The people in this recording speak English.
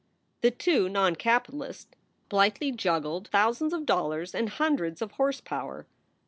The two noncapitalists blithely juggled thousands of dollars and hundreds of horse power.